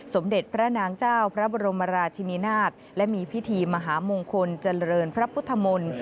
สมเด็จพระนางเจ้าพระบรมราชินินาศและมีพิธีมหามงคลเจริญพระพุทธมนตร์